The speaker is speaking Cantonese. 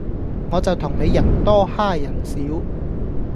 我就同你人多哈人少